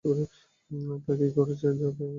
তা কি করে কাজ করে জাকারিয়া জানেন না।